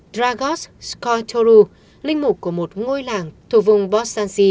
dragos skotoru linh mục của một ngôi làng thuộc vùng bosansi